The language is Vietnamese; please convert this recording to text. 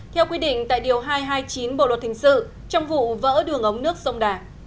theo quy định tại điều hai trăm hai mươi chín bộ luật hình sự trong vụ vỡ đường ống nước sông đà